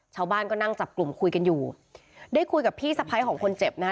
ชาวบ้านก็นั่งจับกลุ่มคุยกันอยู่ได้คุยกับพี่สะพ้ายของคนเจ็บนะฮะ